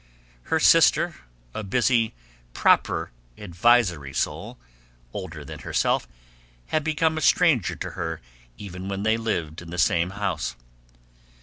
Her sister, a busy proper advisory soul, older than herself, had become a stranger to her even when they lived in the same house.